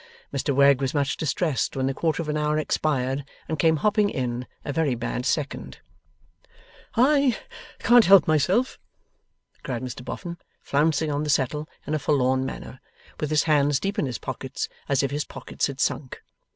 Mr Wegg was much distressed when the quarter of an hour expired, and came hopping in, a very bad second. 'I can't help myself!' cried Mr Boffin, flouncing on the settle in a forlorn manner, with his hands deep in his pockets, as if his pockets had sunk.